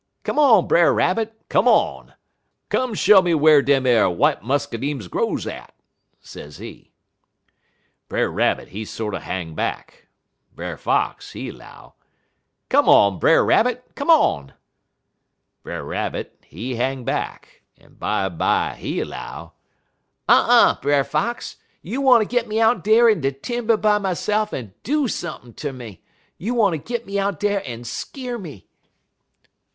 "'Come on, Brer Rabbit; come on! Come show me whar dem ar w'ite muscadimes grows at,' sezee. "Brer Rabbit, he sorter hang back. Brer Fox, he 'low: "'Come on, Brer Rabbit, come on!' "Brer Rabbit, he hang back, en bimeby he 'low: "'Uh uh, Brer Fox! You wanter git me out dar in de timber by myse'f en do sump'n' ter me. You wanter git me out dar en skeer me.'